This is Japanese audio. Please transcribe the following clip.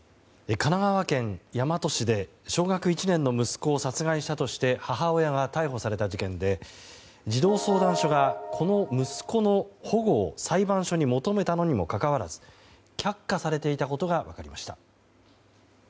神奈川県大和市で小学１年の息子を殺害したとして母親が逮捕された事件で児童相談所がこの息子の保護を裁判所に求めたにもかかわらず却下されていたことが分かりました。